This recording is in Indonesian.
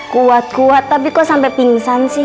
kuat kuat tapi kok sampai pingsan sih